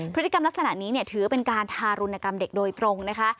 พฤติกรรมลักษณะนี้ถือเป็นการทารุณกรรมเด็กโดยตรงนะคะ